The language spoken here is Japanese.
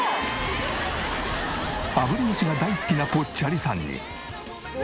炙り飯が大好きなぽっちゃりさんに。